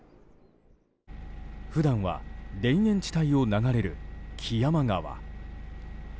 普段は田園地帯を流れる木山川。